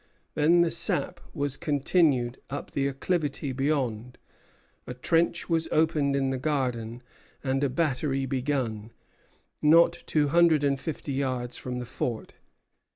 Then the sap was continued up the acclivity beyond, a trench was opened in the garden, and a battery begun, not two hundred and fifty yards from the fort.